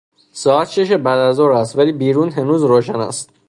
ساعت شش بعداز ظهر است ولی بیرون هنوز روشن است.